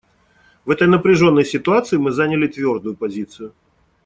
В этой напряженной ситуации мы заняли твердую позицию.